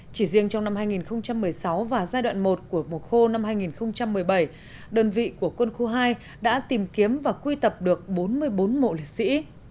chỉ riêng trong năm hai nghìn một mươi sáu và giai đoạn một của mùa khô năm hai nghìn một mươi bảy đơn vị của quân khu hai đã tìm kiếm và quy tập được bốn mươi bốn mộ liệt sĩ